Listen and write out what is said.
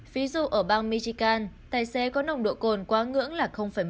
ví dụ ở bang michigan tài xế có nồng độ cồn quá ngưỡng là một mươi bảy